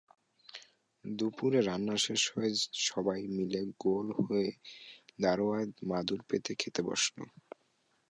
দুপুরে রান্না শেষ হলে সবাই মিলে গোল হয়ে দাওয়ায় মাদুর পেতে খেতে বসল।